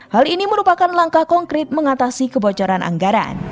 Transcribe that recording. hal ini merupakan langkah konkret mengatasi kebocoran anggaran